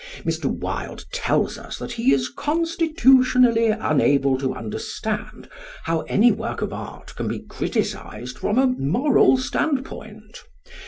Mr. Wilde tells us that he is constitutionally unable to understand how any work of art can be criticised from a moral standpoint.